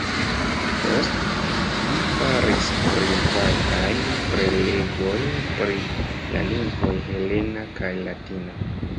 Post li faris privatajn prelegojn pri la lingvoj helena kaj latina.